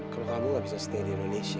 kalau kamu gak bisa stay di indonesia